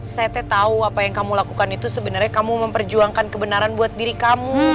saya tahu apa yang kamu lakukan itu sebenarnya kamu memperjuangkan kebenaran buat kita